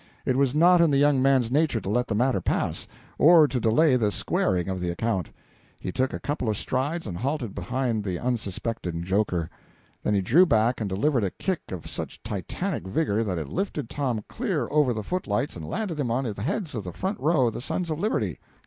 It was not in the young man's nature to let the matter pass, or to delay the squaring of the account. He took a couple of strides and halted behind the unsuspecting joker. Then he drew back and delivered a kick of such titanic vigor that it lifted Tom clear over the footlights and landed him on the heads of the front row of the Sons of Liberty.